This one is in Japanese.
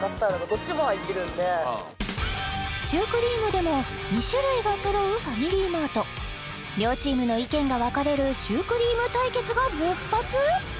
どっちも入ってるんでシュークリームでも２種類が揃うファミリーマート両チームの意見が分かれるシュークリーム対決が勃発！？